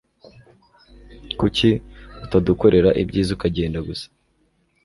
Kuki utadukorera ibyiza ukagenda gusa